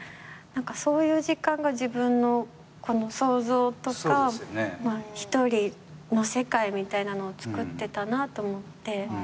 そういう時間が自分の想像とか一人の世界みたいなのをつくってたなと思って。